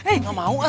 nggak mau ah